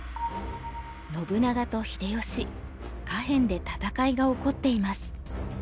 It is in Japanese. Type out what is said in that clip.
信長と秀吉下辺で戦いが起こっています。